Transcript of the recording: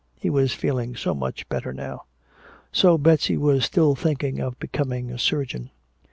(He was feeling so much better now.) So Betsy was still thinking of becoming a surgeon.